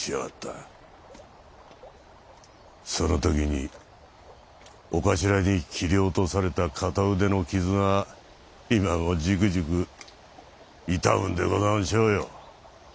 その時にお頭に斬り落とされた片腕の傷が今もじくじく痛むんでござんしょうよ。